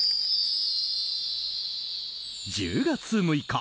１０月６日。